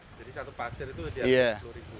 jadi satu pasir itu harganya sepuluh ribu